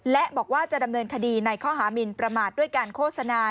และบอกว่าจะดำเนินคดีในข้อหามินประมาทด้วยการโฆษณา